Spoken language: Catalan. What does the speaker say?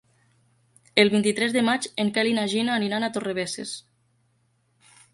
El vint-i-tres de maig en Quel i na Gina aniran a Torrebesses.